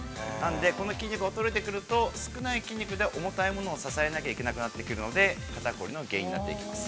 この筋肉が衰えてくると、少ない筋肉で、重いものを支えていかないといけなくなるので、肩凝りの原因になっていきます。